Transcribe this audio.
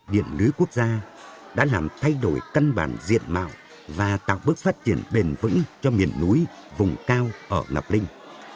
điện lưới quốc gia đã làm thay đổi căn bản diện mạo và tạo bước phát triển bền vững cho miền núi vùng cao ở ngọc linh